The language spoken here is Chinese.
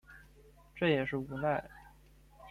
这也是无奈